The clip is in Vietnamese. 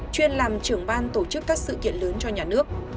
chuyên làm trưởng ban tổ chức các sự kiện lớn cho nhà nước